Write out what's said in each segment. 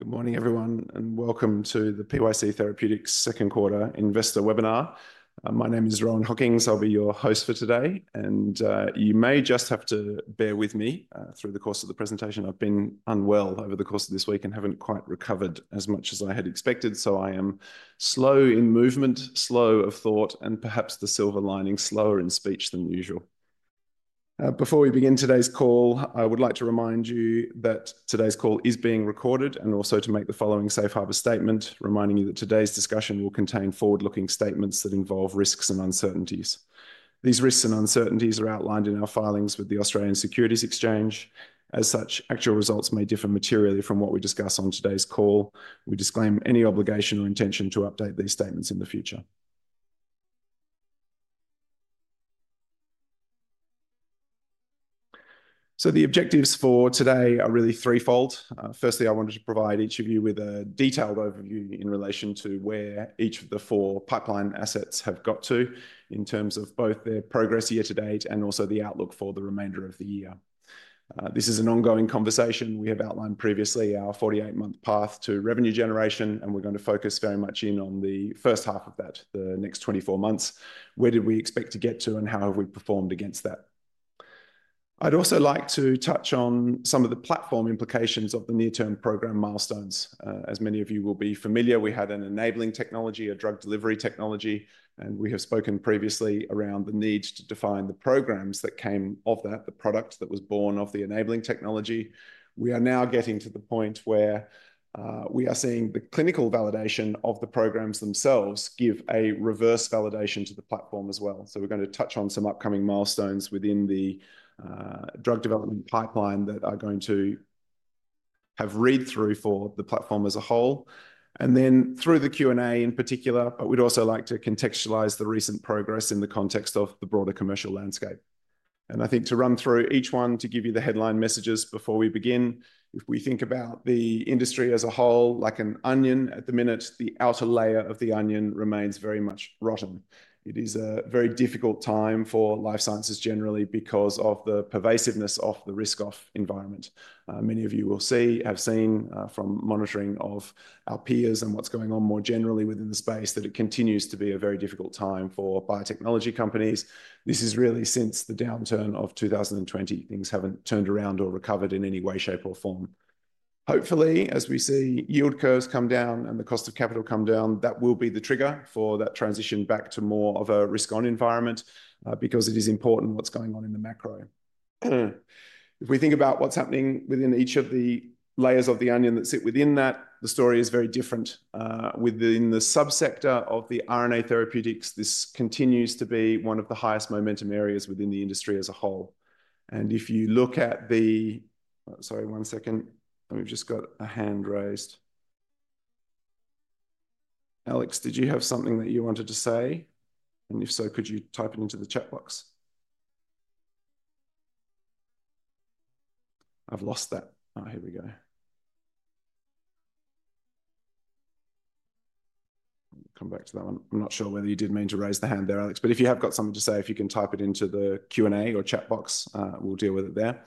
Good morning, everyone, and welcome to the PYC Therapeutics Second Quarter Investor Webinar. My name is Rohan Hockings. I'll be your host for today, and you may just have to bear with me through the course of the presentation. I've been unwell over the course of this week and haven't quite recovered as much as I had expected, so I am slow in movement, slow of thought, and perhaps the silver lining, slower in speech than usual. Before we begin today's call, I would like to remind you that today's call is being recorded and also to make the following safe harbor statement, reminding you that today's discussion will contain forward-looking statements that involve risks and uncertainties. These risks and uncertainties are outlined in our filings with the Australian Securities Exchange. As such, actual results may differ materially from what we discuss on today's call. We disclaim any obligation or intention to update these statements in the future. The objectives for today are really threefold. Firstly, I wanted to provide each of you with a detailed overview in relation to where each of the four pipeline assets have got to in terms of both their progress year to date and also the outlook for the remainder of the year. This is an ongoing conversation. We have outlined previously our 48-month path to revenue generation, and we are going to focus very much in on the first half of that, the next 24 months. Where did we expect to get to, and how have we performed against that? I would also like to touch on some of the platform implications of the near-term program milestones. As many of you will be familiar, we had an enabling technology, a drug delivery technology, and we have spoken previously around the need to define the programs that came of that, the product that was born of the enabling technology. We are now getting to the point where we are seeing the clinical validation of the programs themselves give a reverse validation to the platform as well. We are going to touch on some upcoming milestones within the drug development pipeline that are going to have read-through for the platform as a whole, and then through the Q&A in particular, but we'd also like to contextualize the recent progress in the context of the broader commercial landscape. I think to run through each one to give you the headline messages before we begin. If we think about the industry as a whole, like an onion at the minute, the outer layer of the onion remains very much rotten. It is a very difficult time for life sciences generally because of the pervasiveness of the risk-off environment. Many of you will see, have seen from monitoring of our peers and what's going on more generally within the space that it continues to be a very difficult time for biotechnology companies. This is really since the downturn of 2020. Things haven't turned around or recovered in any way, shape, or form. Hopefully, as we see yield curves come down and the cost of capital come down, that will be the trigger for that transition back to more of a risk-on environment because it is important what's going on in the macro. If we think about what's happening within each of the layers of the onion that sit within that, the story is very different. Within the subsector of the RNA therapeutics, this continues to be one of the highest momentum areas within the industry as a whole. If you look at the—sorry, one second. We've just got a hand raised. Alex, did you have something that you wanted to say? If so, could you type it into the chat box? I've lost that. Here we go. Come back to that one. I'm not sure whether you did mean to raise the hand there, Alex, but if you have got something to say, if you can type it into the Q&A or chat box, we'll deal with it there.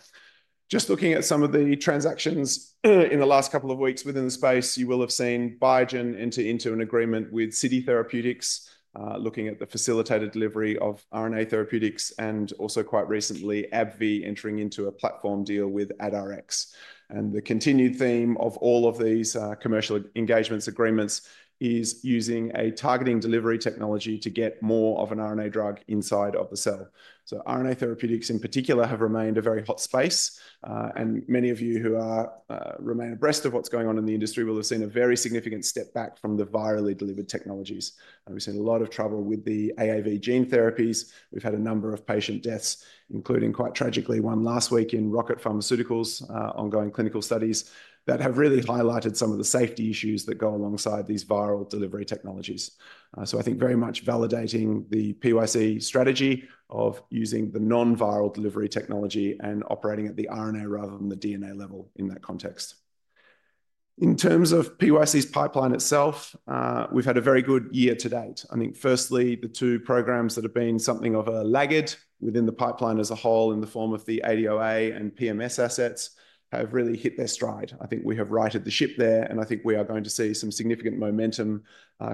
Just looking at some of the transactions in the last couple of weeks within the space, you will have seen Biogen enter into an agreement with City Therapeutics, looking at the facilitated delivery of RNA therapeutics, and also quite recently, AbbVie entering into a platform deal with ADARx. The continued theme of all of these commercial engagements agreements is using a targeting delivery technology to get more of an RNA drug inside of the cell. RNA therapeutics in particular have remained a very hot space, and many of you who remain abreast of what's going on in the industry will have seen a very significant step back from the virally delivered technologies. We've seen a lot of trouble with the AAV gene therapies. We've had a number of patient deaths, including quite tragically one last week in Rocket Pharmaceuticals, ongoing clinical studies that have really highlighted some of the safety issues that go alongside these viral delivery technologies. I think very much validating the PYC strategy of using the non-viral delivery technology and operating at the RNA rather than the DNA level in that context. In terms of PYC's pipeline itself, we've had a very good year to date. I think firstly, the two programs that have been something of a laggard within the pipeline as a whole in the form of the ADOA and PMS assets have really hit their stride. I think we have righted the ship there, and I think we are going to see some significant momentum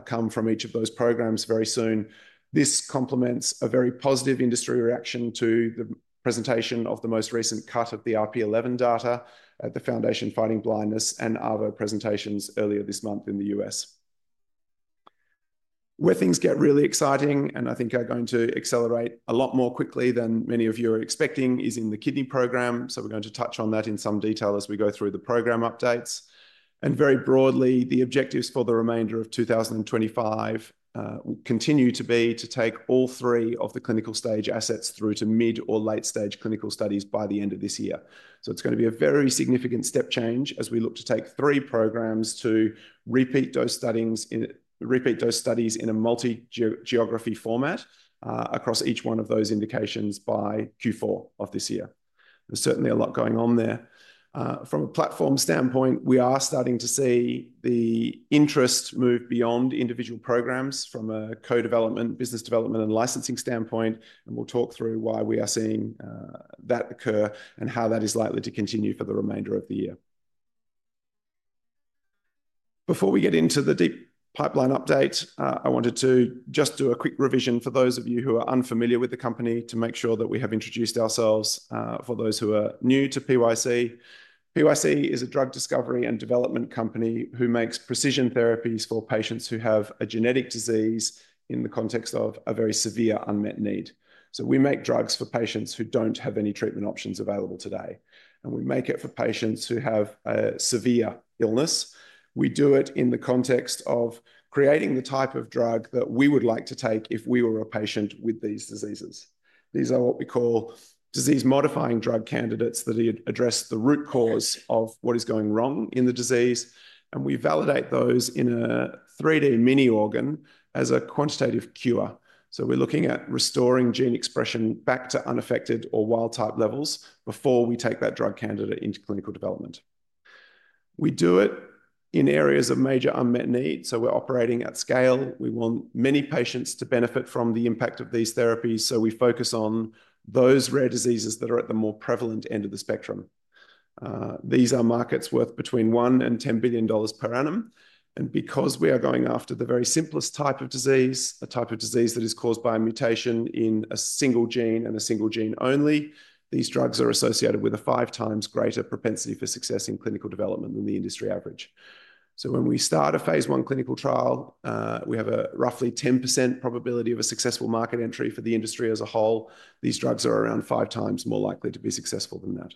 come from each of those programs very soon. This complements a very positive industry reaction to the presentation of the most recent cut of the RP11 data at the Foundation Fighting Blindness and ARVO presentations earlier this month in the U.S. Where things get really exciting and I think are going to accelerate a lot more quickly than many of you are expecting is in the kidney program. We are going to touch on that in some detail as we go through the program updates. Very broadly, the objectives for the remainder of 2025 will continue to be to take all three of the clinical stage assets through to mid or late stage clinical studies by the end of this year. It is going to be a very significant step change as we look to take three programs to repeat those studies in a multi-geography format across each one of those indications by Q4 of this year. There's certainly a lot going on there. From a platform standpoint, we are starting to see the interest move beyond individual programs from a co-development, business development, and licensing standpoint, and we will talk through why we are seeing that occur and how that is likely to continue for the remainder of the year. Before we get into the deep pipeline update, I wanted to just do a quick revision for those of you who are unfamiliar with the company to make sure that we have introduced ourselves for those who are new to PYC. PYC is a drug discovery and development company who makes precision therapies for patients who have a genetic disease in the context of a very severe unmet need. We make drugs for patients who do not have any treatment options available today, and we make it for patients who have a severe illness. We do it in the context of creating the type of drug that we would like to take if we were a patient with these diseases. These are what we call disease-modifying drug candidates that address the root cause of what is going wrong in the disease, and we validate those in a 3D mini organ as a quantitative cure. We are looking at restoring gene expression back to unaffected or wild-type levels before we take that drug candidate into clinical development. We do it in areas of major unmet need, so we are operating at scale. We want many patients to benefit from the impact of these therapies, so we focus on those rare diseases that are at the more prevalent end of the spectrum. These are markets worth between $1 billion and $10 billion per annum. Because we are going after the very simplest type of disease, a type of disease that is caused by a mutation in a single gene and a single gene only, these drugs are associated with a five times greater propensity for success in clinical development than the industry average. When we start a phase I clinical trial, we have a roughly 10% probability of a successful market entry for the industry as a whole. These drugs are around five times more likely to be successful than that.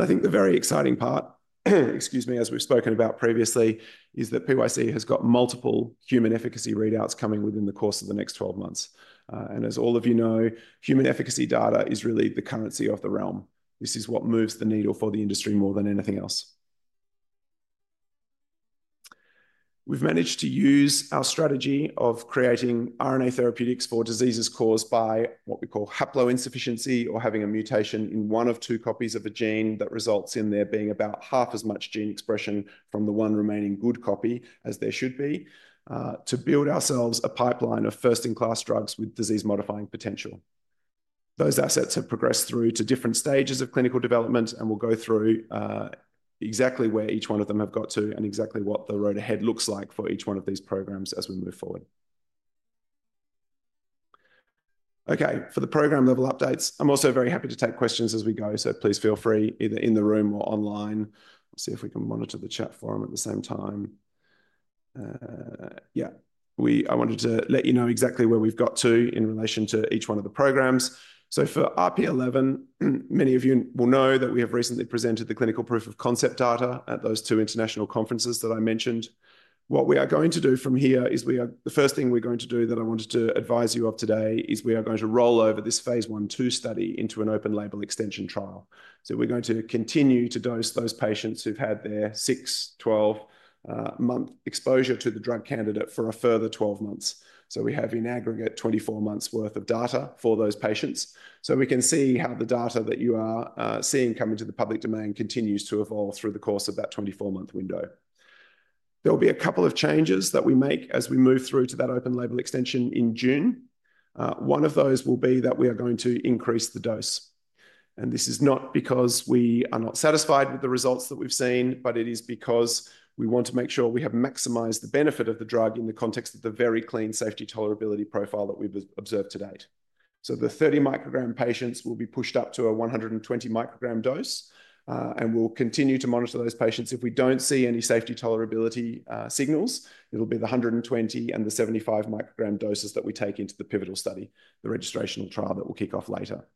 I think the very exciting part, excuse me, as we've spoken about previously, is that PYC has got multiple human efficacy readouts coming within the course of the next 12 months. As all of you know, human efficacy data is really the currency of the realm. This is what moves the needle for the industry more than anything else. We've managed to use our strategy of creating RNA therapeutics for diseases caused by what we call haploinsufficiency or having a mutation in one of two copies of a gene that results in there being about half as much gene expression from the one remaining good copy as there should be to build ourselves a pipeline of first-in-class drugs with disease-modifying potential. Those assets have progressed through to different stages of clinical development, and we'll go through exactly where each one of them have got to and exactly what the road ahead looks like for each one of these programs as we move forward. Okay, for the program level updates, I'm also very happy to take questions as we go, so please feel free either in the room or online. Let's see if we can monitor the chat forum at the same time. Yeah, I wanted to let you know exactly where we've got to in relation to each one of the programs. For RP11, many of you will know that we have recently presented the clinical proof of concept data at those two international conferences that I mentioned. What we are going to do from here is the first thing we're going to do that I wanted to advise you of today is we are going to roll over this phase one two study into an open label extension trial. We're going to continue to dose those patients who've had their 6, 12-month exposure to the drug candidate for a further 12 months. We have in aggregate 24 months' worth of data for those patients. We can see how the data that you are seeing coming to the public domain continues to evolve through the course of that 24-month window. There will be a couple of changes that we make as we move through to that open label extension in June. One of those will be that we are going to increase the dose. This is not because we are not satisfied with the results that we've seen, but it is because we want to make sure we have maximized the benefit of the drug in the context of the very clean safety tolerability profile that we've observed to date. The 30 microgram patients will be pushed up to a 120 microgram dose, and we'll continue to monitor those patients. If we don't see any safety tolerability signals, it'll be the 120 and the 75 microgram doses that we take into the pivotal study, the registrational trial that will kick off later.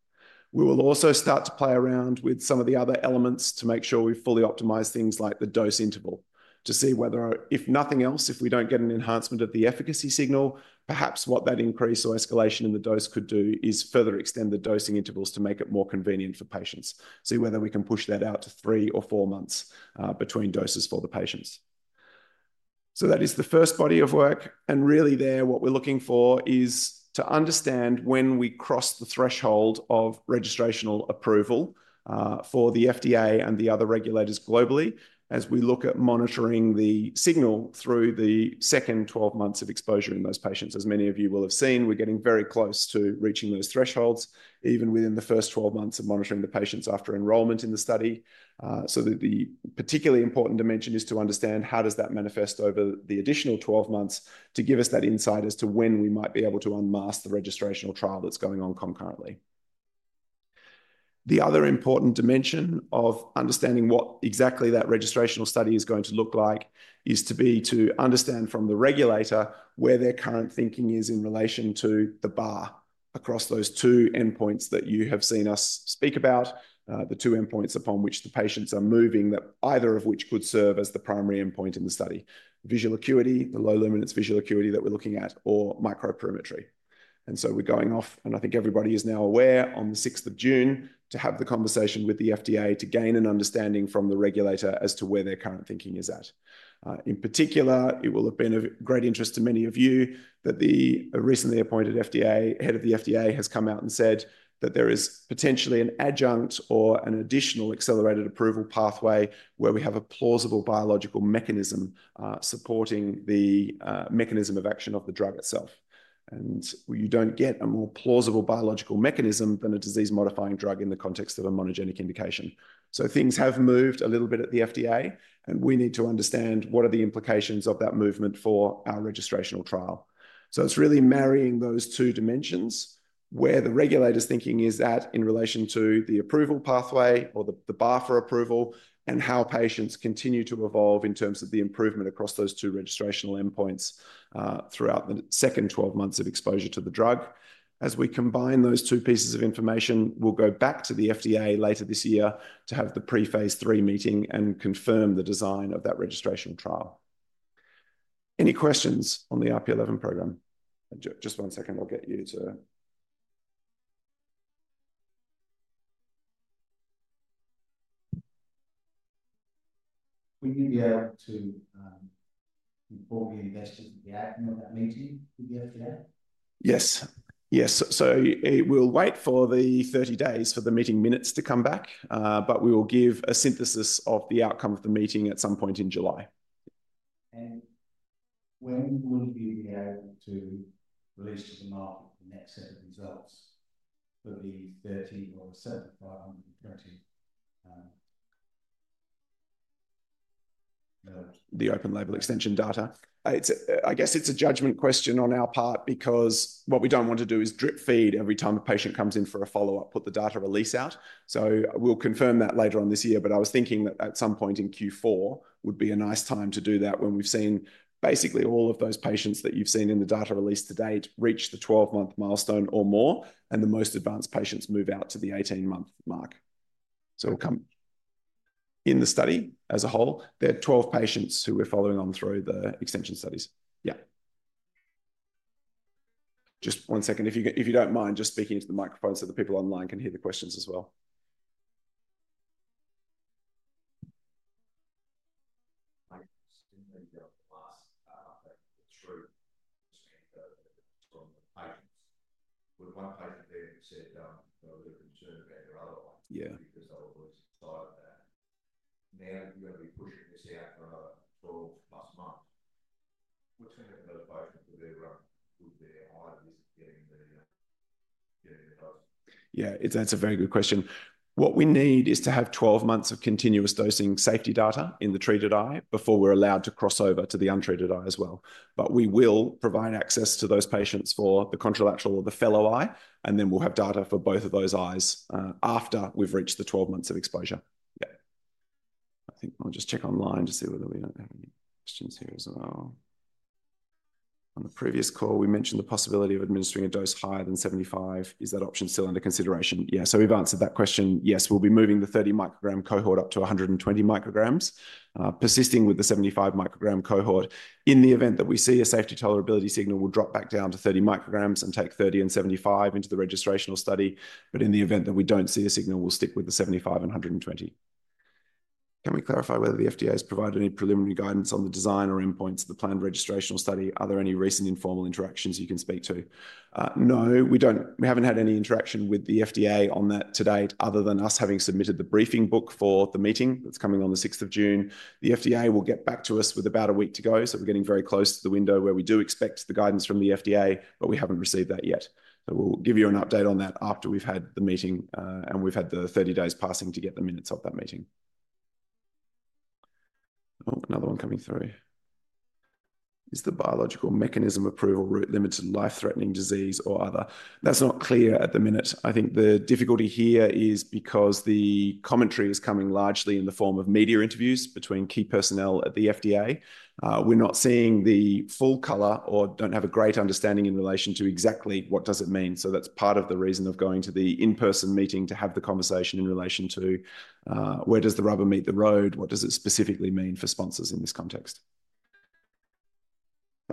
We will also start to play around with some of the other elements to make sure we fully optimize things like the dose interval to see whether, if nothing else, if we don't get an enhancement of the efficacy signal, perhaps what that increase or escalation in the dose could do is further extend the dosing intervals to make it more convenient for patients, see whether we can push that out to three or four months between doses for the patients. That is the first body of work. Really there, what we're looking for is to understand when we cross the threshold of registrational approval for the FDA and the other regulators globally as we look at monitoring the signal through the second 12 months of exposure in those patients. As many of you will have seen, we're getting very close to reaching those thresholds, even within the first 12 months of monitoring the patients after enrollment in the study. The particularly important dimension is to understand how does that manifest over the additional 12 months to give us that insight as to when we might be able to unmask the registrational trial that's going on concurrently. The other important dimension of understanding what exactly that registrational study is going to look like is to be to understand from the regulator where their current thinking is in relation to the bar across those two endpoints that you have seen us speak about, the two endpoints upon which the patients are moving, that either of which could serve as the primary endpoint in the study, visual acuity, the low luminance visual acuity that we're looking at, or microperimetry. We are going off, and I think everybody is now aware on the 6th of June to have the conversation with the FDA to gain an understanding from the regulator as to where their current thinking is at. In particular, it will have been of great interest to many of you that the recently appointed head of the FDA has come out and said that there is potentially an adjunct or an additional accelerated approval pathway where we have a plausible biological mechanism supporting the mechanism of action of the drug itself. You do not get a more plausible biological mechanism than a disease-modifying drug in the context of a monogenic indication. Things have moved a little bit at the FDA, and we need to understand what are the implications of that movement for our registrational trial. It is really marrying those two dimensions. Where the regulator's thinking is at in relation to the approval pathway or the bar for approval and how patients continue to evolve in terms of the improvement across those two registrational endpoints throughout the second 12 months of exposure to the drug. As we combine those two pieces of information, we'll go back to the FDA later this year to have the pre-phase III meeting and confirm the design of that registrational trial. Any questions on the RP11 program? Just one second, I'll get you to. Would you be able to inform the investors of the outcome of that meeting with the FDA? Yes. Yes. We'll wait for the 30 days for the meeting minutes to come back, but we will give a synthesis of the outcome of the meeting at some point in July. When will you be able to release to the market the next set of results for the 30 or the 7,530? The open label extension data. I guess it's a judgment question on our part because what we don't want to do is drip feed every time a patient comes in for a follow-up, put the data release out. We'll confirm that later on this year, but I was thinking that at some point in Q4 would be a nice time to do that when we've seen basically all of those patients that you've seen in the data release to date reach the 12-month milestone or more, and the most advanced patients move out to the 18-month mark. It'll come in the study as a whole. There are 12 patients who we're following on through the extension studies. Yeah. Just one second. If you don't mind, just speaking into the microphone so the people online can hear the questions as well. I just didn't think there was a last outcome that would be true. Just mean the. From the patients. With one patient there who said they were a little concerned about their other one. Yeah. Because they were really excited about it. Now that you're going to be pushing this out for another 12-plus months, what's going to happen to those patients with their eye visit getting the dose? Yeah, that's a very good question. What we need is to have 12 months of continuous dosing safety data in the treated eye before we're allowed to cross over to the untreated eye as well. We will provide access to those patients for the contralateral or the fellow eye, and then we'll have data for both of those eyes after we've reached the 12 months of exposure. Yeah. I think I'll just check online to see whether we don't have any questions here as well. On the previous call, we mentioned the possibility of administering a dose higher than 75. Is that option still under consideration? Yeah. We've answered that question. Yes, we'll be moving the 30 microgram cohort up to 120 micrograms, persisting with the 75 microgram cohort. In the event that we see a safety tolerability signal, we'll drop back down to 30 micrograms and take 30 and 75 into the registrational study. In the event that we don't see a signal, we'll stick with the 75 and 120. Can we clarify whether the FDA has provided any preliminary guidance on the design or endpoints of the planned registrational study? Are there any recent informal interactions you can speak to? No, we haven't had any interaction with the FDA on that to date other than us having submitted the briefing book for the meeting that's coming on the 6th of June. The FDA will get back to us with about a week to go. We are getting very close to the window where we do expect the guidance from the FDA, but we haven't received that yet. We'll give you an update on that after we've had the meeting and we've had the 30 days passing to get the minutes of that meeting. Oh, another one coming through. Is the biological mechanism approval route limited to life-threatening disease or other? That's not clear at the minute. I think the difficulty here is because the commentary is coming largely in the form of media interviews between key personnel at the FDA. We're not seeing the full color or don't have a great understanding in relation to exactly what does it mean. That's part of the reason of going to the in-person meeting to have the conversation in relation to where does the rubber meet the road. What does it specifically mean for sponsors in this context?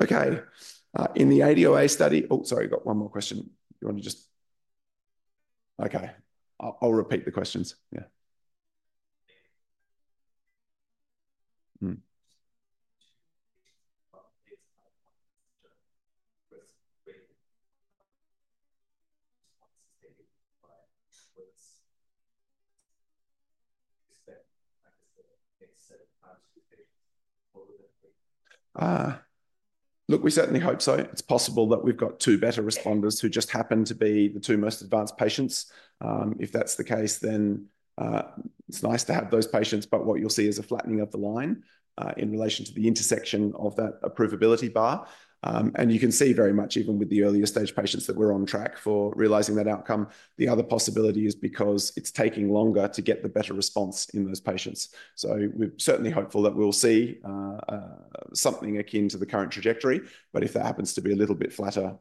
Okay. In the ADOA study—oh, sorry, I got one more question. Do you want to just—okay. I'll repeat the questions. Yeah. Look, we certainly hope so. It's possible that we've got two better responders who just happen to be the two most advanced patients. If that's the case, then it's nice to have those patients, but what you'll see is a flattening of the line in relation to the intersection of that approvability bar. You can see very much even with the earlier stage patients that we're on track for realizing that outcome. The other possibility is because it's taking longer to get the better response in those patients. We're certainly hopeful that we'll see something akin to the current trajectory. If that happens to be a little bit flatter,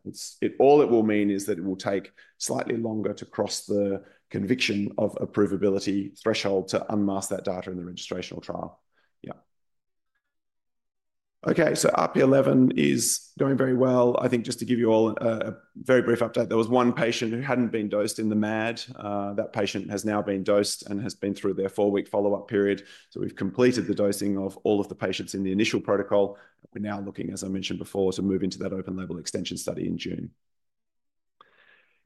all it will mean is that it will take slightly longer to cross the conviction of approvability threshold to unmask that data in the registrational trial. Yeah. Okay, so RP11 is going very well. I think just to give you all a very brief update, there was one patient who had not been dosed in the MAD. That patient has now been dosed and has been through their four-week follow-up period. We have completed the dosing of all of the patients in the initial protocol. We are now looking, as I mentioned before, to move into that open label extension study in June.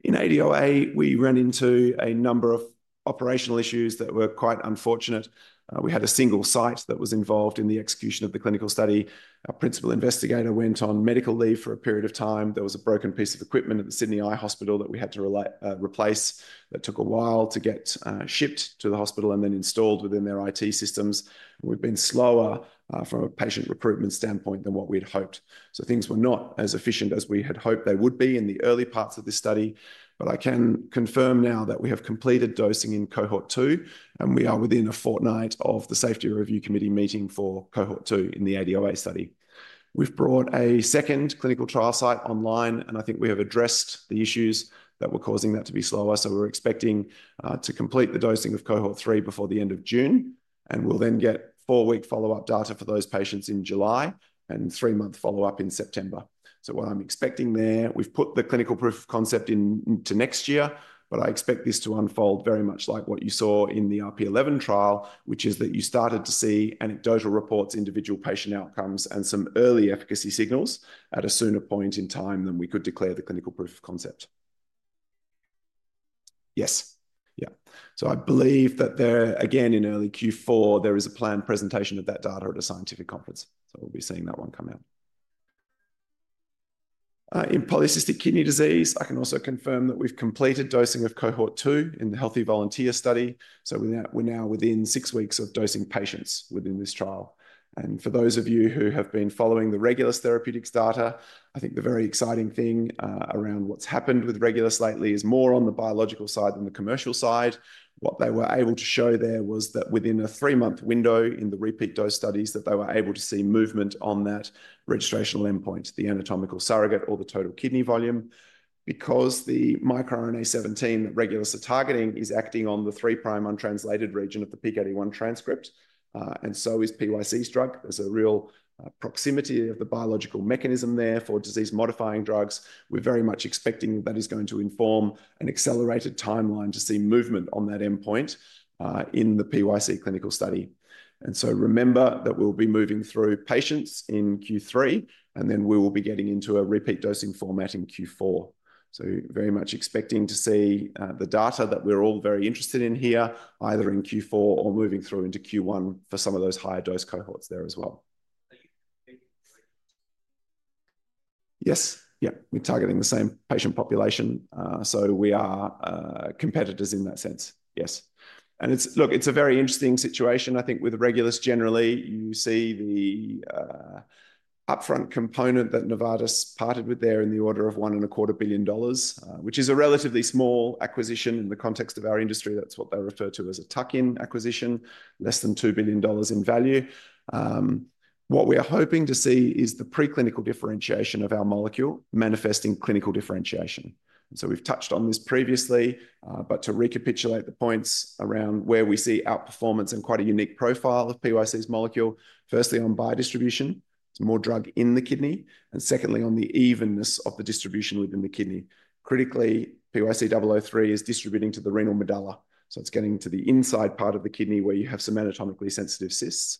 In ADOA, we ran into a number of operational issues that were quite unfortunate. We had a single site that was involved in the execution of the clinical study. Our principal investigator went on medical leave for a period of time. There was a broken piece of equipment at the Sydney Eye Hospital that we had to replace. That took a while to get shipped to the hospital and then installed within their IT systems. We've been slower from a patient recruitment standpoint than what we had hoped. Things were not as efficient as we had hoped they would be in the early parts of this study. I can confirm now that we have completed dosing in cohort two, and we are within a fortnight of the safety review committee meeting for cohort two in the ADOA study. We've brought a second clinical trial site online, and I think we have addressed the issues that were causing that to be slower. We're expecting to complete the dosing of cohort three before the end of June, and we'll then get four-week follow-up data for those patients in July and three-month follow-up in September. What I'm expecting there, we've put the clinical proof concept into next year, but I expect this to unfold very much like what you saw in the RP11 trial, which is that you started to see anecdotal reports, individual patient outcomes, and some early efficacy signals at a sooner point in time than we could declare the clinical proof concept. Yes. Yeah. I believe that there, again, in early Q4, there is a planned presentation of that data at a scientific conference. We'll be seeing that one come out. In polycystic kidney disease, I can also confirm that we've completed dosing of cohort two in the healthy volunteer study. We're now within six weeks of dosing patients within this trial. For those of you who have been following the Regulus Therapeutics data, I think the very exciting thing around what's happened with Regulus lately is more on the biological side than the commercial side. What they were able to show there was that within a three-month window in the repeat dose studies, they were able to see movement on that registrational endpoint, the anatomical surrogate or the total kidney volume, because the miR-17 that Regulus are targeting is acting on the three-prime untranslated region of the PKD1 transcript. And so is PYC's drug. There is a real proximity of the biological mechanism there for disease-modifying drugs. We are very much expecting that is going to inform an accelerated timeline to see movement on that endpoint in the PYC clinical study. Remember that we'll be moving through patients in Q3, and then we will be getting into a repeat dosing format in Q4. Very much expecting to see the data that we're all very interested in here, either in Q4 or moving through into Q1 for some of those higher dose cohorts there as well. Yes. Yeah. We're targeting the same patient population. We are competitors in that sense. Yes. Look, it's a very interesting situation. I think with Regulus generally, you see the upfront component that Novartis parted with there in the order of $1.25 billion, which is a relatively small acquisition in the context of our industry. That's what they refer to as a tuck-in acquisition, less than $2 billion in value. What we are hoping to see is the preclinical differentiation of our molecule manifesting clinical differentiation. We have touched on this previously, but to recapitulate the points around where we see outperformance and quite a unique profile of PYC's molecule, firstly on biodistribution, it is more drug in the kidney, and secondly on the evenness of the distribution within the kidney. Critically, PYC-003 is distributing to the renal medulla. It is getting to the inside part of the kidney where you have some anatomically sensitive cysts.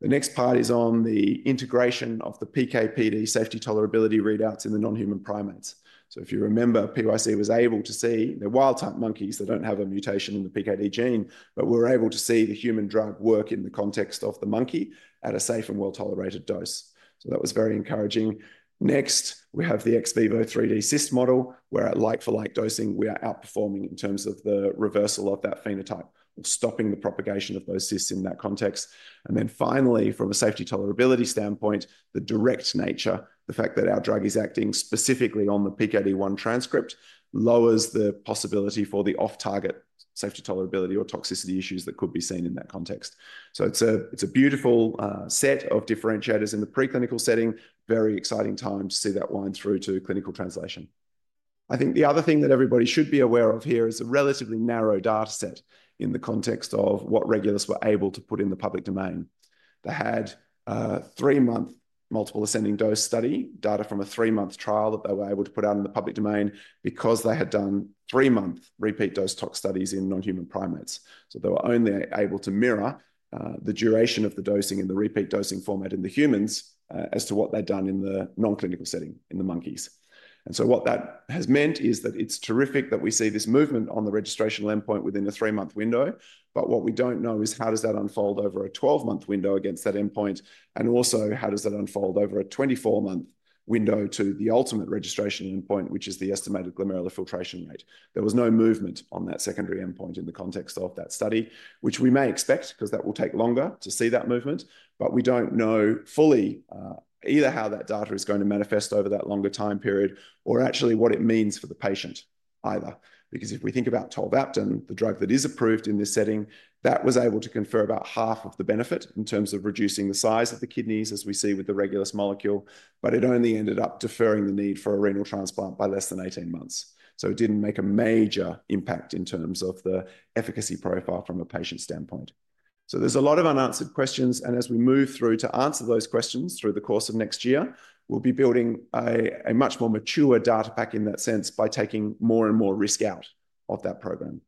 The next part is on the integration of the PKPD safety tolerability readouts in the non-human primates. If you remember, PYC was able to see the wild-type monkeys that do not have a mutation in the PKD1 gene, but we are able to see the human drug work in the context of the monkey at a safe and well-tolerated dose. That was very encouraging. Next, we have the Ex Vivo 3D Cyst model where at like-for-like dosing, we are outperforming in terms of the reversal of that phenotype, stopping the propagation of those cysts in that context. Finally, from a safety tolerability standpoint, the direct nature, the fact that our drug is acting specifically on the PKD1 transcript lowers the possibility for the off-target safety tolerability or toxicity issues that could be seen in that context. It is a beautiful set of differentiators in the preclinical setting. Very exciting time to see that wind through to clinical translation. I think the other thing that everybody should be aware of here is a relatively narrow data set in the context of what Regulus were able to put in the public domain. They had a three-month multiple ascending dose study, data from a three-month trial that they were able to put out in the public domain because they had done three-month repeat dose tox studies in non-human primates. They were only able to mirror the duration of the dosing and the repeat dosing format in the humans as to what they've done in the non-clinical setting in the monkeys. What that has meant is that it's terrific that we see this movement on the registrational endpoint within a three-month window, but what we don't know is how does that unfold over a 12-month window against that endpoint, and also how does that unfold over a 24-month window to the ultimate registration endpoint, which is the estimated glomerular filtration rate. There was no movement on that secondary endpoint in the context of that study, which we may expect because that will take longer to see that movement, but we do not know fully either how that data is going to manifest over that longer time period or actually what it means for the patient either. Because if we think about tolvaptan, the drug that is approved in this setting, that was able to confer about half of the benefit in terms of reducing the size of the kidneys as we see with the Regulus molecule, but it only ended up deferring the need for a renal transplant by less than 18 months. It did not make a major impact in terms of the efficacy profile from a patient standpoint. There is a lot of unanswered questions, and as we move through to answer those questions through the course of next year, we will be building a much more mature data pack in that sense by taking more and more risk out of that program.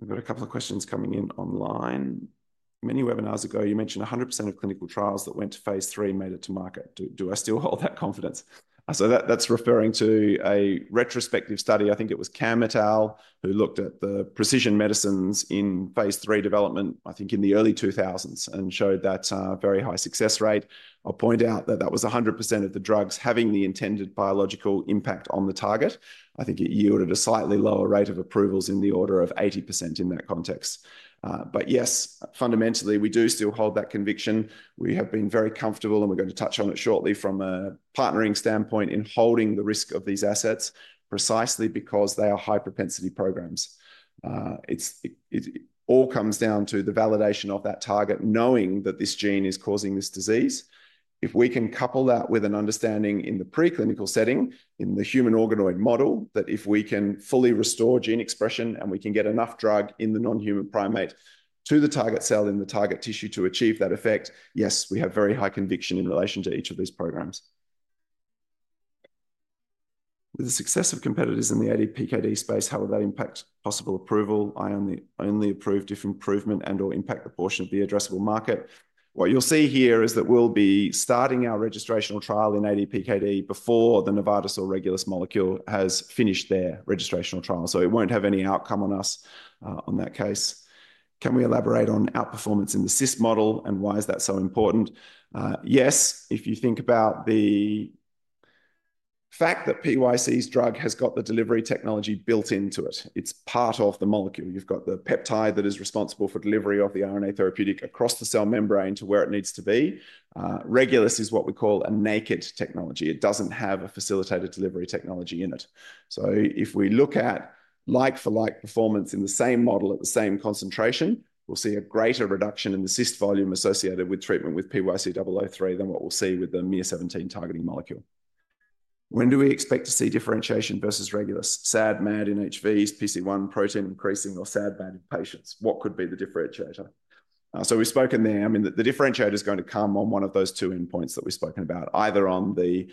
We have got a couple of questions coming in online. Many webinars ago, you mentioned 100% of clinical trials that went to phase III made it to market. Do I still hold that confidence? That is referring to a retrospective study. I think it was [cametal who looked at the precision medicines in phase III development, I think in the early 2000s, and showed that very high success rate. I will point out that that was 100% of the drugs having the intended biological impact on the target. I think it yielded a slightly lower rate of approvals in the order of 80% in that context. Yes, fundamentally, we do still hold that conviction. We have been very comfortable, and we're going to touch on it shortly from a partnering standpoint in holding the risk of these assets precisely because they are high-propensity programs. It all comes down to the validation of that target, knowing that this gene is causing this disease. If we can couple that with an understanding in the preclinical setting, in the human organoid model, that if we can fully restore gene expression and we can get enough drug in the non-human primate to the target cell in the target tissue to achieve that effect, yes, we have very high conviction in relation to each of these programs. With the success of competitors in the ADPKD space, how will that impact possible approval? I only approve if improvement and/or impact the portion of the addressable market. What you'll see here is that we'll be starting our registrational trial in ADPKD before the Novartis or Regulus molecule has finished their registrational trial. It won't have any outcome on us on that case. Can we elaborate on outperformance in the cyst model and why is that so important? Yes, if you think about the fact that PYC's drug has got the delivery technology built into it, it's part of the molecule. You've got the peptide that is responsible for delivery of the RNA therapeutic across the cell membrane to where it needs to be. Regulus is what we call a naked technology. It doesn't have a facilitated delivery technology in it. If we look at like-for-like performance in the same model at the same concentration, we'll see a greater reduction in the cyst volume associated with treatment with PYC-003 than what we'll see with the miR-17 targeting molecule. When do we expect to see differentiation versus Regulus? SAD, MAD, NHVs, PC1 protein increasing, or SAD, MAD in patients? What could be the differentiator? We've spoken there. I mean, the differentiator is going to come on one of those two endpoints that we've spoken about, either on the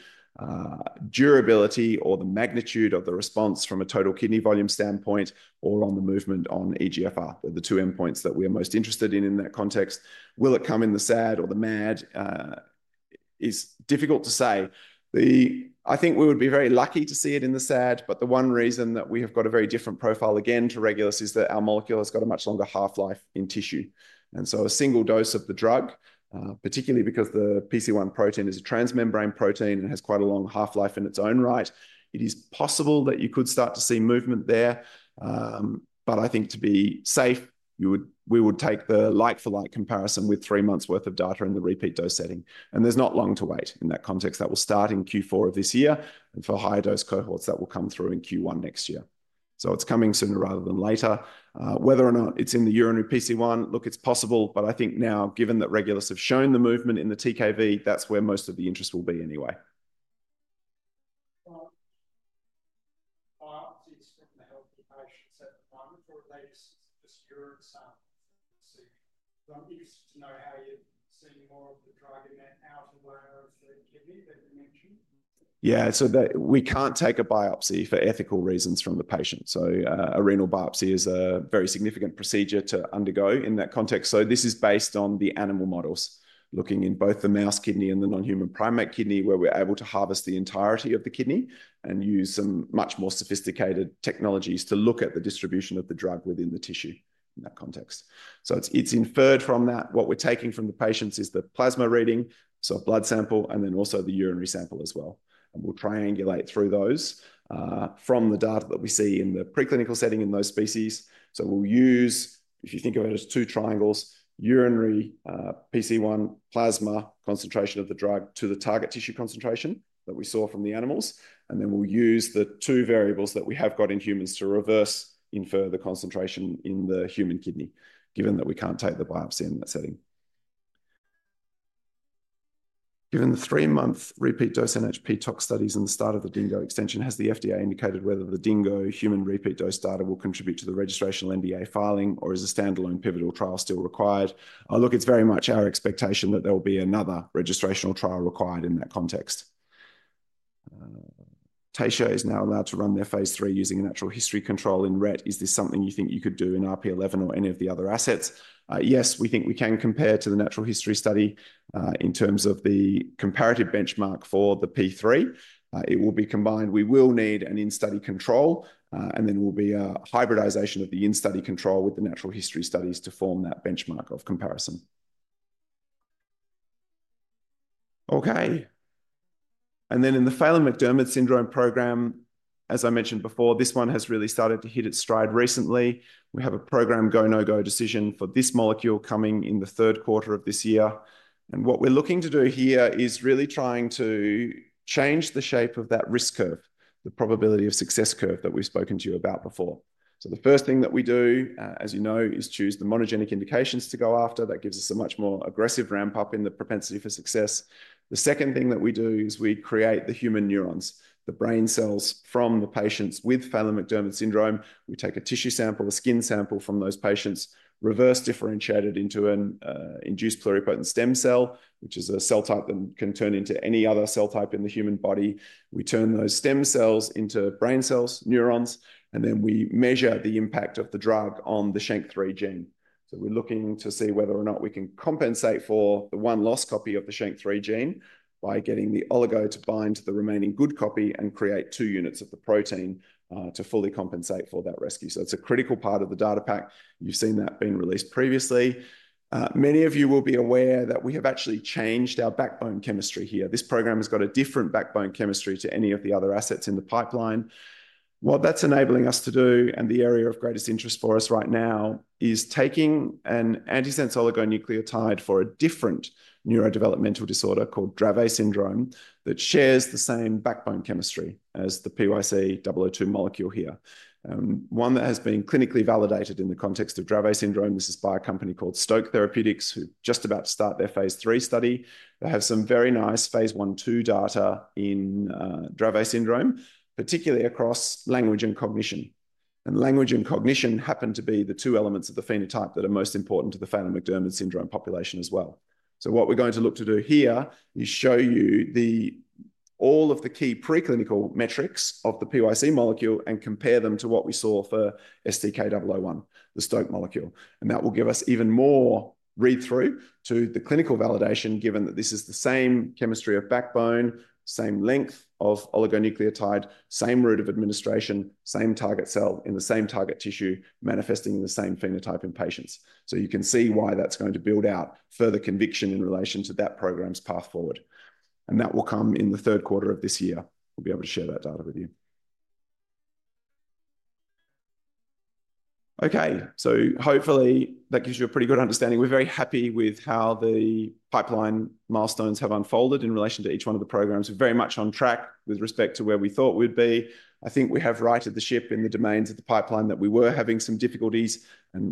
durability or the magnitude of the response from a total kidney volume standpoint, or on the movement on eGFR, the two endpoints that we are most interested in in that context. Will it come in the SAD or the MAD? It's difficult to say. I think we would be very lucky to see it in the SAD, but the one reason that we have got a very different profile again to Regulus is that our molecule has got a much longer half-life in tissue. A single dose of the drug, particularly because the PC1 protein is a transmembrane protein and has quite a long half-life in its own right, it is possible that you could start to see movement there. I think to be safe, we would take the like-for-like comparison with three months' worth of data in the repeat dose setting. There is not long to wait in that context. That will start in Q4 of this year. For higher dose cohorts, that will come through in Q1 next year. It is coming sooner rather than later. Whether or not it's in the urinary PC1, look, it's possible, but I think now, given that Regulus have shown the movement in the TKV, that's where most of the interest will be anyway. Biopsies from the healthy patients at the moment or later since you just urine sample? I'm interested to know how you're seeing more of the drug in that outer layer of the kidney that you mentioned. Yeah, we can't take a biopsy for ethical reasons from the patient. A renal biopsy is a very significant procedure to undergo in that context. This is based on the animal models, looking in both the mouse kidney and the non-human primate kidney, where we're able to harvest the entirety of the kidney and use some much more sophisticated technologies to look at the distribution of the drug within the tissue in that context. It's inferred from that. What we're taking from the patients is the plasma reading, so blood sample, and then also the urinary sample as well. We'll triangulate through those from the data that we see in the preclinical setting in those species. We'll use, if you think of it as two triangles, urinary PC1 plasma concentration of the drug to the target tissue concentration that we saw from the animals. Then we'll use the two variables that we have got in humans to reverse, infer the concentration in the human kidney, given that we can't take the biopsy in that setting. Given the three-month repeat dose NHP tox studies and the start of the DINGO extension, has the FDA indicated whether the DINGO human repeat dose data will contribute to the registrational NDA filing, or is a standalone pivotal trial still required? Look, it's very much our expectation that there will be another registrational trial required in that context. Taysha is now allowed to run their phase III using a natural history control in Rett. Is this something you think you could do in RP11 or any of the other assets? Yes, we think we can compare to the natural history study in terms of the comparative benchmark for the phase III. It will be combined. We will need an in-study control, and then there will be a hybridization of the in-study control with the natural history studies to form that benchmark of comparison. Okay. In the Phelan-McDermid syndrome program, as I mentioned before, this one has really started to hit its stride recently. We have a program go/no-go decision for this molecule coming in the third quarter of this year. What we're looking to do here is really trying to change the shape of that risk curve, the probability of success curve that we've spoken to you about before. The first thing that we do, as you know, is choose the monogenic indications to go after. That gives us a much more aggressive ramp-up in the propensity for success. The second thing that we do is we create the human neurons, the brain cells from the patients with Phelan-McDermid syndrome. We take a tissue sample, a skin sample from those patients, reverse differentiate it into an induced pluripotent stem cell, which is a cell type that can turn into any other cell type in the human body. We turn those stem cells into brain cells, neurons, and then we measure the impact of the drug on the SHANK3 gene. We're looking to see whether or not we can compensate for the one lost copy of the SHANK3 gene by getting the oligo to bind to the remaining good copy and create two units of the protein to fully compensate for that rescue. That's a critical part of the data pack. You've seen that being released previously. Many of you will be aware that we have actually changed our backbone chemistry here. This program has got a different backbone chemistry to any of the other assets in the pipeline. What that's enabling us to do, and the area of greatest interest for us right now, is taking an antisense oligonucleotide for a different neurodevelopmental disorder called Dravet syndrome that shares the same backbone chemistry as the PYC-002 molecule here. One that has been clinically validated in the context of Dravet syndrome. This is by a company called Stoke Therapeutics, who are just about to start their phase III study. They have some very nice phase one two data in Dravet syndrome, particularly across language and cognition. Language and cognition happen to be the two elements of the phenotype that are most important to the Phelan-McDermid syndrome population as well. What we are going to look to do here is show you all of the key preclinical metrics of the PYC molecule and compare them to what we saw for SDK-001, the Stoke molecule. That will give us even more read-through to the clinical validation, given that this is the same chemistry of backbone, same length of oligonucleotide, same route of administration, same target cell in the same target tissue, manifesting in the same phenotype in patients. You can see why that's going to build out further conviction in relation to that program's path forward. That will come in the third quarter of this year. We'll be able to share that data with you. Hopefully that gives you a pretty good understanding. We're very happy with how the pipeline milestones have unfolded in relation to each one of the programs. We're very much on track with respect to where we thought we'd be. I think we have righted the ship in the domains of the pipeline that we were having some difficulties.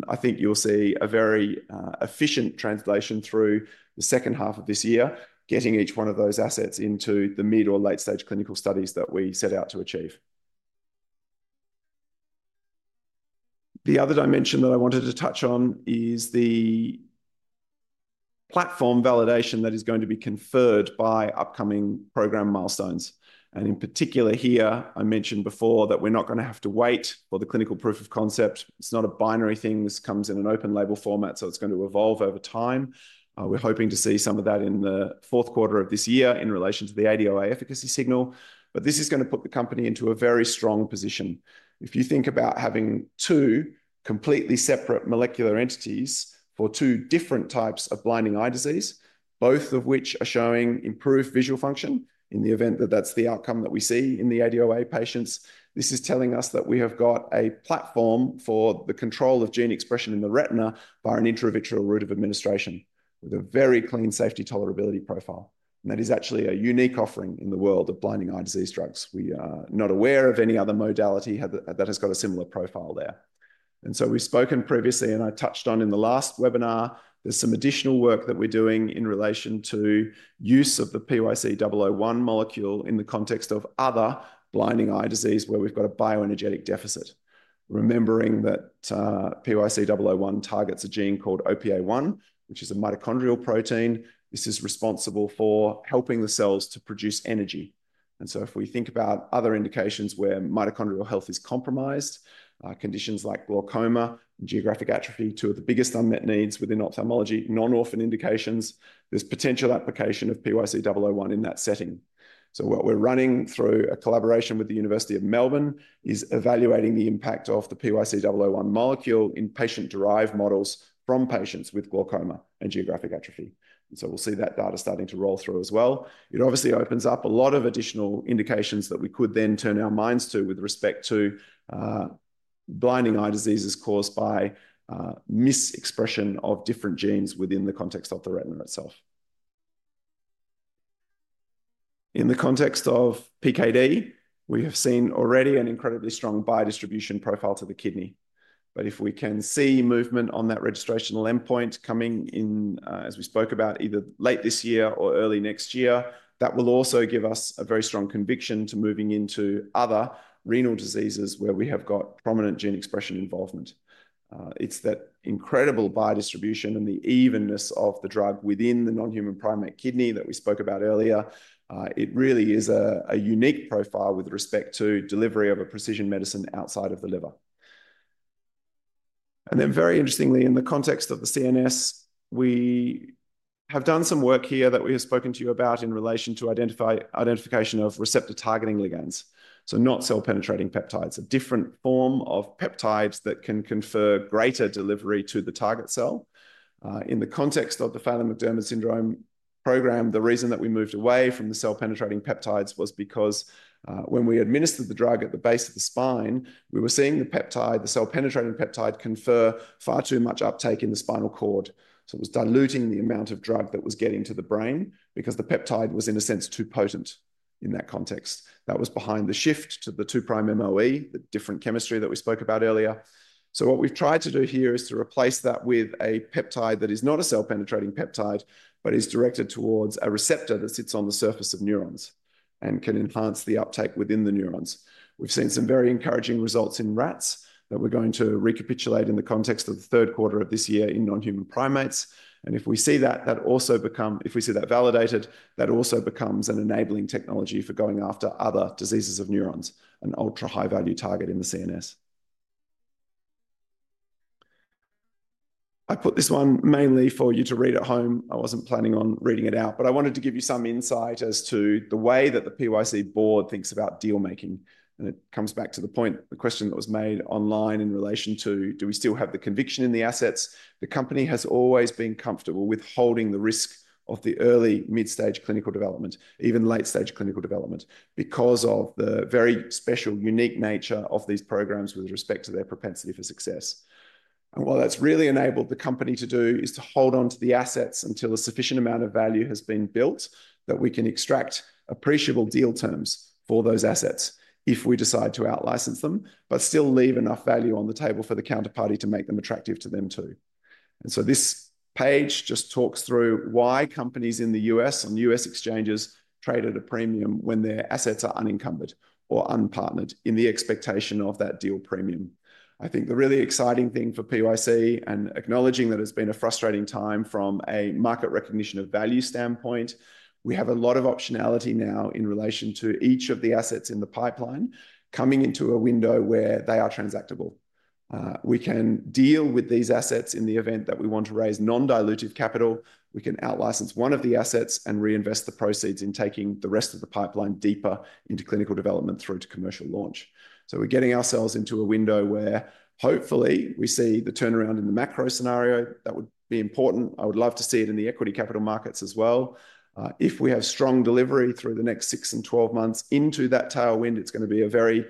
I think you'll see a very efficient translation through the second half of this year, getting each one of those assets into the mid or late-stage clinical studies that we set out to achieve. The other dimension that I wanted to touch on is the platform validation that is going to be conferred by upcoming program milestones. In particular, here, I mentioned before that we're not going to have to wait for the clinical proof of concept. It's not a binary thing. This comes in an open-label format, so it's going to evolve over time. We're hoping to see some of that in the fourth quarter of this year in relation to the ADOA efficacy signal. This is going to put the company into a very strong position. If you think about having two completely separate molecular entities for two different types of blinding eye disease, both of which are showing improved visual function in the event that that's the outcome that we see in the ADOA patients, this is telling us that we have got a platform for the control of gene expression in the retina via an intravitreal route of administration with a very clean safety tolerability profile. That is actually a unique offering in the world of blinding eye disease drugs. We are not aware of any other modality that has got a similar profile there. We have spoken previously, and I touched on in the last webinar, there's some additional work that we're doing in relation to use of the PYC-001 molecule in the context of other blinding eye disease where we've got a bioenergetic deficit. Remembering that PYC-001 targets a gene called OPA1, which is a mitochondrial protein. This is responsible for helping the cells to produce energy. If we think about other indications where mitochondrial health is compromised, conditions like glaucoma and geographic atrophy, two of the biggest unmet needs within ophthalmology, non-orphan indications, there is potential application of PYC-001 in that setting. What we are running through a collaboration with the University of Melbourne is evaluating the impact of the PYC-001 molecule in patient-derived models from patients with glaucoma and geographic atrophy. We will see that data starting to roll through as well. It obviously opens up a lot of additional indications that we could then turn our minds to with respect to blinding eye diseases caused by mis-expression of different genes within the context of the retina itself. In the context of PKD, we have seen already an incredibly strong biodistribution profile to the kidney. If we can see movement on that registrational endpoint coming in, as we spoke about, either late this year or early next year, that will also give us a very strong conviction to moving into other renal diseases where we have got prominent gene expression involvement. It is that incredible biodistribution and the evenness of the drug within the non-human primate kidney that we spoke about earlier. It really is a unique profile with respect to delivery of a precision medicine outside of the liver. Very interestingly, in the context of the CNS, we have done some work here that we have spoken to you about in relation to identification of receptor-targeting ligands. Not cell-penetrating peptides, a different form of peptides that can confer greater delivery to the target cell. In the context of the Phelan-McDermid syndrome program, the reason that we moved away from the cell-penetrating peptides was because when we administered the drug at the base of the spine, we were seeing the peptide, the cell-penetrating peptide, confer far too much uptake in the spinal cord. It was diluting the amount of drug that was getting to the brain because the peptide was, in a sense, too potent in that context. That was behind the shift to the two-prime MOE, the different chemistry that we spoke about earlier. What we've tried to do here is to replace that with a peptide that is not a cell-penetrating peptide, but is directed towards a receptor that sits on the surface of neurons and can enhance the uptake within the neurons. We've seen some very encouraging results in rats that we're going to recapitulate in the context of the third quarter of this year in non-human primates. If we see that validated, that also becomes an enabling technology for going after other diseases of neurons, an ultra-high-value target in the CNS. I put this one mainly for you to read at home. I wasn't planning on reading it out, but I wanted to give you some insight as to the way that the PYC board thinks about dealmaking. It comes back to the point, the question that was made online in relation to, do we still have the conviction in the assets? The company has always been comfortable with holding the risk of the early mid-stage clinical development, even late-stage clinical development, because of the very special, unique nature of these programs with respect to their propensity for success. What that's really enabled the company to do is to hold on to the assets until a sufficient amount of value has been built that we can extract appreciable deal terms for those assets if we decide to out-license them, but still leave enough value on the table for the counterparty to make them attractive to them too. This page just talks through why companies in the U.S. on U.S. exchanges trade at a premium when their assets are unencumbered or unpartnered in the expectation of that deal premium. I think the really exciting thing for PYC, and acknowledging that it's been a frustrating time from a market recognition of value standpoint, we have a lot of optionality now in relation to each of the assets in the pipeline coming into a window where they are transactable. We can deal with these assets in the event that we want to raise non-dilutive capital. We can out-license one of the assets and reinvest the proceeds in taking the rest of the pipeline deeper into clinical development through to commercial launch. We are getting ourselves into a window where hopefully we see the turnaround in the macro scenario. That would be important. I would love to see it in the equity capital markets as well. If we have strong delivery through the next six and twelve months into that tailwind, it's going to be a very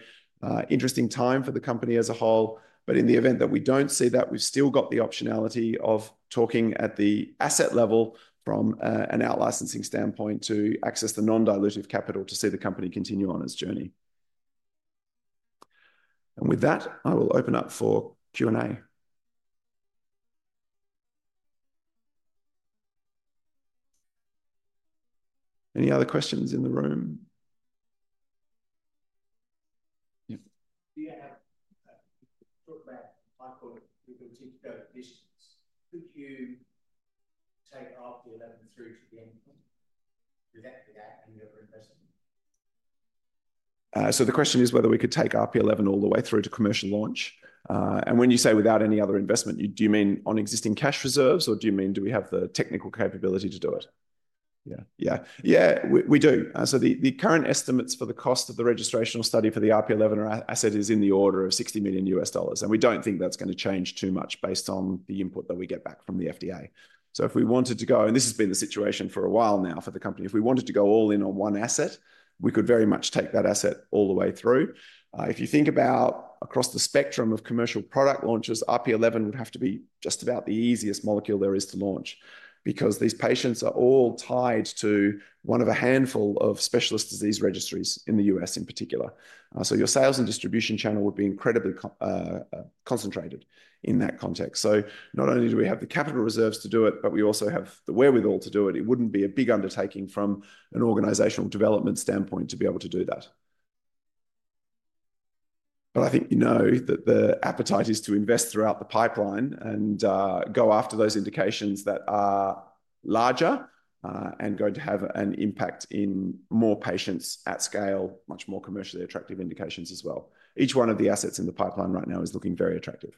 interesting time for the company as a whole. In the event that we don't see that, we've still got the optionality of talking at the asset level from an out-licensing standpoint to access the non-dilutive capital to see the company continue on its journey. With that, I will open up for Q&A. Any other questions in the room? Yeah. Do you have to talk about micro- and micro-integrity conditions? Could you take RP11 through to the endpoint without any other investment? The question is whether we could take RP11 all the way through to commercial launch. When you say without any other investment, do you mean on existing cash reserves, or do you mean do we have the technical capability to do it? Yeah, yeah, we do. The current estimates for the cost of the registrational study for the RP11 asset is in the order of $60 million. We do not think that is going to change too much based on the input that we get back from the FDA. If we wanted to go, and this has been the situation for a while now for the company, if we wanted to go all in on one asset, we could very much take that asset all the way through. If you think about across the spectrum of commercial product launches, RP11 would have to be just about the easiest molecule there is to launch because these patients are all tied to one of a handful of specialist disease registries in the U.S. in particular. Your sales and distribution channel would be incredibly concentrated in that context. Not only do we have the capital reserves to do it, but we also have the wherewithal to do it. It would not be a big undertaking from an organizational development standpoint to be able to do that. I think you know that the appetite is to invest throughout the pipeline and go after those indications that are larger and going to have an impact in more patients at scale, much more commercially attractive indications as well. Each one of the assets in the pipeline right now is looking very attractive.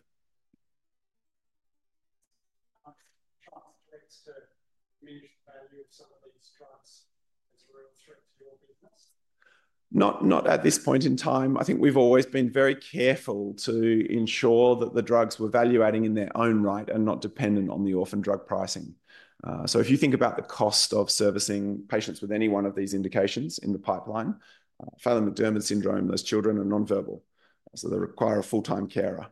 Are the drugs threats to the mutual value of some of these drugs as a real threat to your business? Not at this point in time. I think we have always been very careful to ensure that the drugs were valuating in their own right and not dependent on the orphan drug pricing. If you think about the cost of servicing patients with any one of these indications in the pipeline, Phelan-McDermid syndrome, those children are non-verbal. They require a full-time carer.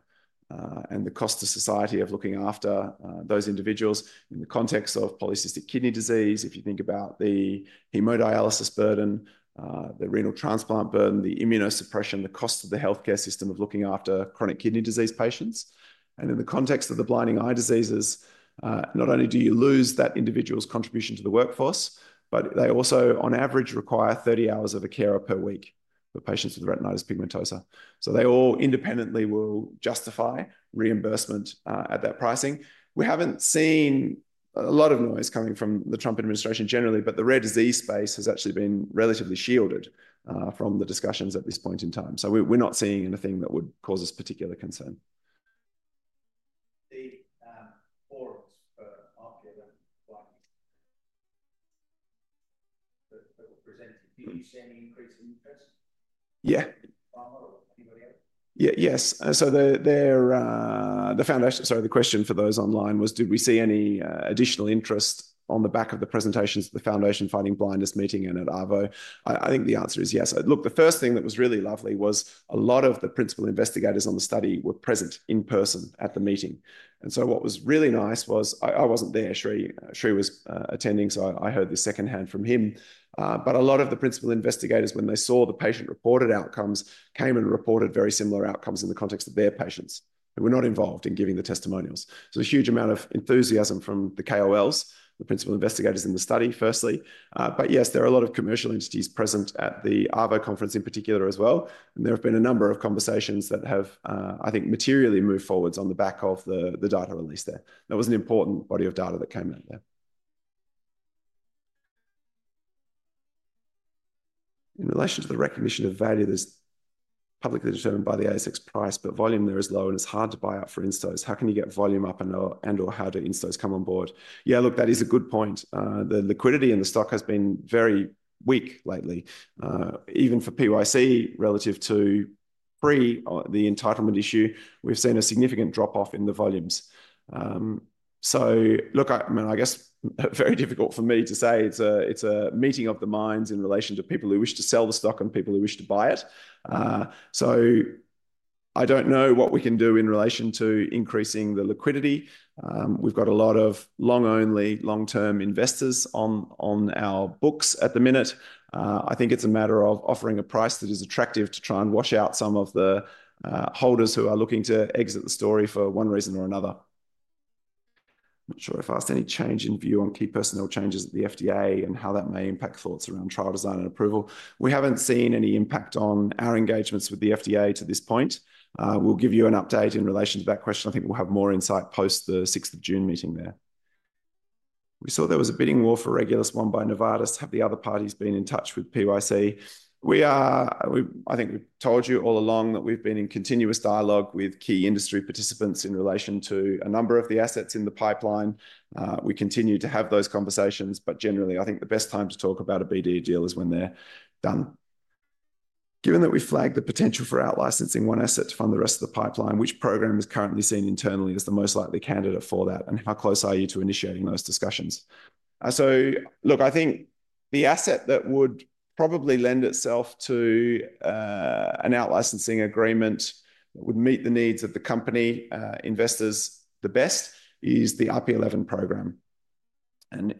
The cost to society of looking after those individuals in the context of polycystic kidney disease, if you think about the hemodialysis burden, the renal transplant burden, the immunosuppression, the cost of the healthcare system of looking after chronic kidney disease patients. In the context of the blinding eye diseases, not only do you lose that individual's contribution to the workforce, but they also, on average, require 30 hours of a carer per week for patients with retinitis pigmentosa. They all independently will justify reimbursement at that pricing. We have not seen a lot of noise coming from the Trump administration generally, but the rare disease space has actually been relatively shielded from the discussions at this point in time. We are not seeing anything that would cause us particular concern. The forums for RP11 that were presented, did you see any increase in interest? Yeah. Pharma or anybody else? Yeah, yes. The foundation, sorry, the question for those online was, did we see any additional interest on the back of the presentations at the Foundation Fighting Blindness meeting and at ARVO? I think the answer is yes. The first thing that was really lovely was a lot of the principal investigators on the study were present in person at the meeting. What was really nice was I was not there. Sri was attending, so I heard this secondhand from him. A lot of the principal investigators, when they saw the patient-reported outcomes, came and reported very similar outcomes in the context of their patients. They were not involved in giving the testimonials. There is a huge amount of enthusiasm from the KOLs, the principal investigators in the study, firstly. Yes, there are a lot of commercial entities present at the ARVO conference in particular as well. There have been a number of conversations that have, I think, materially moved forwards on the back of the data release there. That was an important body of data that came out there. In relation to the recognition of value, that is publicly determined by the ASX price, but volume there is low and it is hard to buy up for instos. How can you get volume up and/or how do instos come on board? Yeah, look, that is a good point. The liquidity in the stock has been very weak lately. Even for PYC, relative to pre the entitlement issue, we've seen a significant drop-off in the volumes. Look, I mean, I guess very difficult for me to say it's a meeting of the minds in relation to people who wish to sell the stock and people who wish to buy it. I don't know what we can do in relation to increasing the liquidity. We've got a lot of long-only, long-term investors on our books at the minute. I think it's a matter of offering a price that is attractive to try and wash out some of the holders who are looking to exit the story for one reason or another. I'm not sure if I asked any change in view on key personnel changes at the FDA and how that may impact thoughts around trial design and approval. We haven't seen any impact on our engagements with the FDA to this point. We'll give you an update in relation to that question. I think we'll have more insight post the 6th of June meeting there. We saw there was a bidding war for Regulus won by Novartis. Have the other parties been in touch with PYC? I think we've told you all along that we've been in continuous dialogue with key industry participants in relation to a number of the assets in the pipeline. We continue to have those conversations, but generally, I think the best time to talk about a BD deal is when they're done. Given that we flagged the potential for out-licensing one asset to fund the rest of the pipeline, which program is currently seen internally as the most likely candidate for that, and how close are you to initiating those discussions? Look, I think the asset that would probably lend itself to an out-licensing agreement that would meet the needs of the company investors the best is the RP11 program.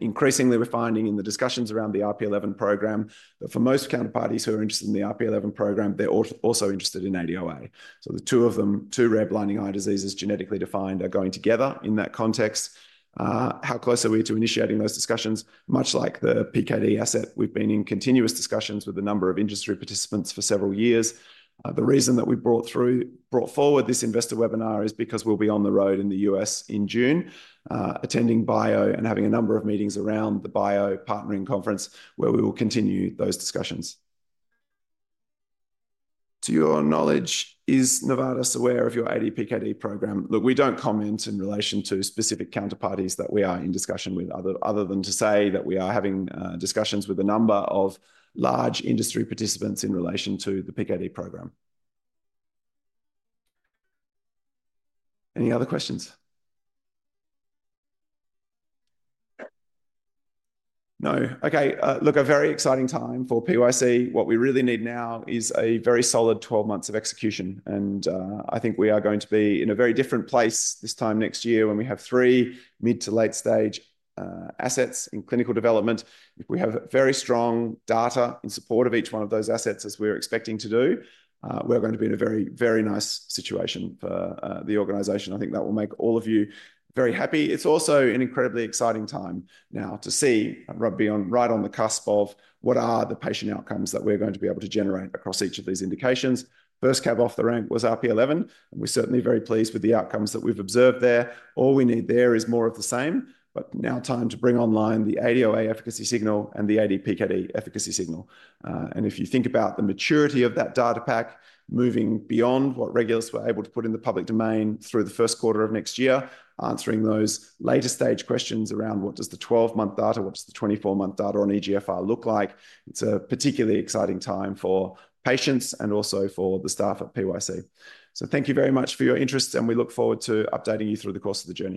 Increasingly, we're finding in the discussions around the RP11 program that for most counterparties who are interested in the RP11 program, they're also interested in ADOA. The two of them, two rare blinding eye diseases genetically defined, are going together in that context. How close are we to initiating those discussions? Much like the PKD asset, we've been in continuous discussions with a number of industry participants for several years. The reason that we brought forward this investor webinar is because we'll be on the road in the U.S. in June, attending BIO and having a number of meetings around the BIO partnering conference where we will continue those discussions. To your knowledge, is Novartis aware of your ADPKD program? Look, we don't comment in relation to specific counterparties that we are in discussion with other than to say that we are having discussions with a number of large industry participants in relation to the PKD program. Any other questions? No. Okay. Look, a very exciting time for PYC. What we really need now is a very solid 12 months of execution. I think we are going to be in a very different place this time next year when we have three mid to late-stage assets in clinical development. If we have very strong data in support of each one of those assets, as we're expecting to do, we're going to be in a very, very nice situation for the organization. I think that will make all of you very happy. It's also an incredibly exciting time now to see right on the cusp of what are the patient outcomes that we're going to be able to generate across each of these indications. First cab off the ramp was RP11, and we're certainly very pleased with the outcomes that we've observed there. All we need there is more of the same, but now time to bring online the ADOA efficacy signal and the ADPKD efficacy signal. If you think about the maturity of that data pack moving beyond what Regulus were able to put in the public domain through the first quarter of next year, answering those later-stage questions around what does the 12-month data, what does the 24-month data on eGFR look like, it's a particularly exciting time for patients and also for the staff at PYC. Thank you very much for your interest, and we look forward to updating you through the course of the journey.